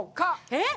えっ！？